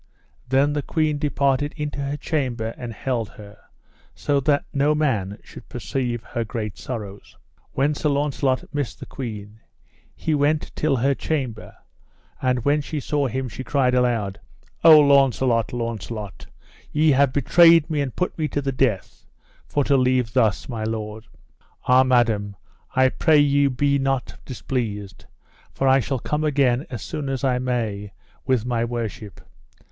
Then the queen departed into her chamber and held her, so that no man should perceive her great sorrows. When Sir Launcelot missed the queen he went till her chamber, and when she saw him she cried aloud: O Launcelot, Launcelot, ye have betrayed me and put me to the death, for to leave thus my lord. Ah, madam, I pray you be not displeased, for I shall come again as soon as I may with my worship.